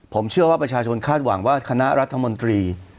ผมเชื่อว่าประชาชนคาดหวังว่าคณะรัฐมนตรี